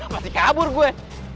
pasti kabur gue